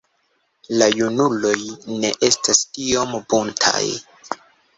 La junuloj ne estas tiom buntaj.